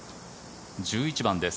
１１番です。